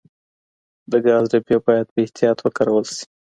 د ګاز ډبې باید په احتیاط وکارول شي.